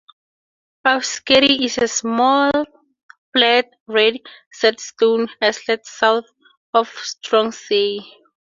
Auskerry is a small, flat, red sandstone islet, south of Stronsay.